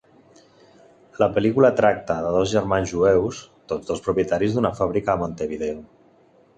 La pel·lícula tracta de dos germans jueus, tots dos propietaris d'una fàbrica a Montevideo.